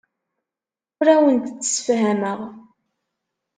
Ur awent-d-ssefhameɣ.